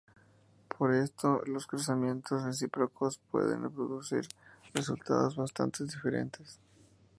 Por esto los cruzamientos recíprocos pueden producir resultados bastante diferentes.